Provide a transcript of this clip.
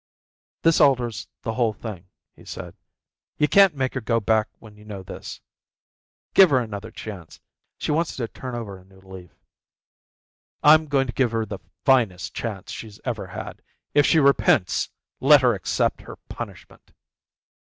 "This alters the whole thing," he said. "You can't make her go back when you know this. Give her another chance. She wants to turn over a new leaf." "I'm going to give her the finest chance she's ever had. If she repents let her accept her punishment."